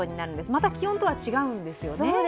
また気温とは違うんですね。